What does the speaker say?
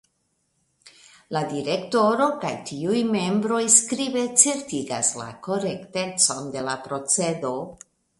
La Direktoro kaj tiuj membroj skribe certigas la korektecon de la procedo.